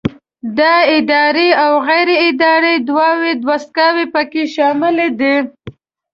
دا ارادي او غیر ارادي دواړه دستګاوې پکې شاملې دي.